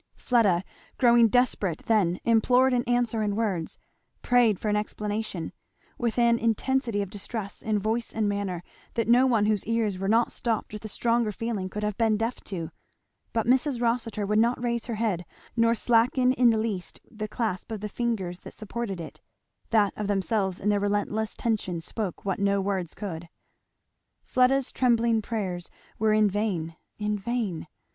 Fleda growing desperate then implored an answer in words prayed for an explanation with an intensity of distress in voice and manner, that no one whose ears were not stopped with a stronger feeling could have been deaf to; but Mrs. Rossitur would not raise her head, nor slacken in the least the clasp of the fingers that supported it, that of themselves in their relentless tension spoke what no words could. Fleda's trembling prayers were in vain, in vain.